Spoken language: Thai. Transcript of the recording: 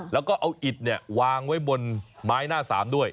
แล้วก็เอาอิดเนี่ยวางไว้บนไม้หน้าสามด้วย